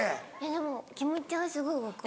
でも気持ちはすごい分かる。